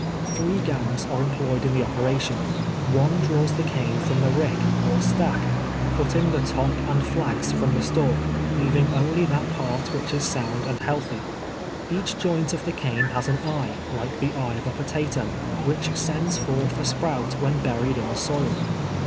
Three gangs are employed in the operation. One draws the cane from the rick, or stack, cutting the top and flags from the stalk, leaving only that part which is sound and healthy. Each joint of the cane has an eye, like the eye of a potato, which sends forth a sprout when buried in the soil.